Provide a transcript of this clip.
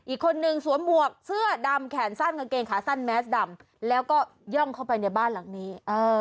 อีกคนนึงสวมหมวกเสื้อดำแขนสั้นกางเกงขาสั้นแมสดำแล้วก็ย่องเข้าไปในบ้านหลังนี้